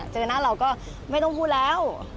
เจอหน้าเราก็ไม่ต้องพูดแล้ว